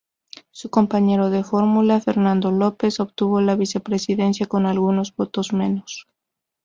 Su compañero de fórmula, Fernando López, obtuvo la vicepresidencia con algunos votos menos.